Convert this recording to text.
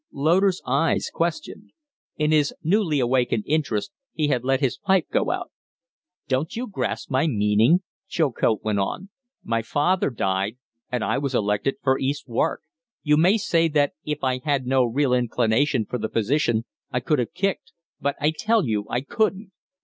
Loder's eyes questioned. In his newly awakened interest he had let his pipe go out. "Don't you grasp my meaning?" Chilcote went on. "My father died and I was elected for East Wark. You may say that if I had no real inclination for the position I could have kicked. But I tell you I couldn't.